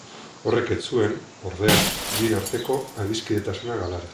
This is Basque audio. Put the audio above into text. Horrek ez zuen, ordea, bien arteko adiskidetasuna galarazi.